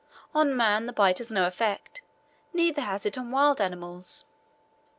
On man the bite has no effect, neither has it on wild animals.